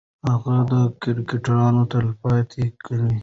هغې کرکټرونه تلپاتې کړل.